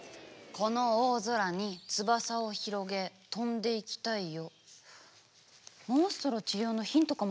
「この大空に翼をひろげ飛んで行きたいよ」。